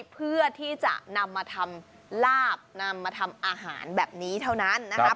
เพื่อที่จะนำมาทำลาบนำมาทำอาหารแบบนี้เท่านั้นนะครับ